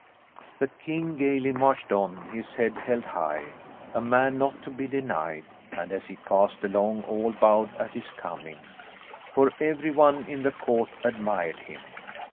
The king gaily marched on, his head held high, a man not to be denied, and as he passed along all bowed at his coming, for everyone in the court admired him.